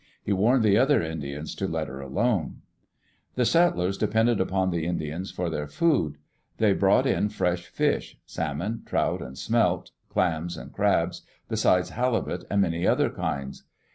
He warned the other Indians to let her alone. The settlers depended upon the Indians for their food. They brought in fresh fish — salmon, trout, and smelt, clams and crabs, besides halibut and many other kinds.